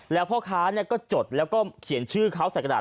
แล้วพ่อค้าก็จดแล้วก็เขียนชื่อเขาใส่กระดาษ